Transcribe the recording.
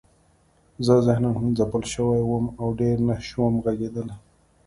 زه ذهناً ځپل شوی وم او ډېر نشوم غږېدلی